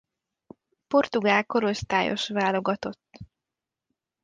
Portugál korosztályos válogatott.